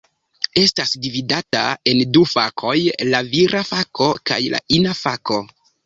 Estas dividata en du fakoj: la vira fako kaj la ina fako.